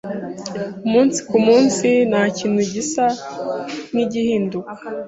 Umunsi kumunsi ntakintu gisa nkigihinduka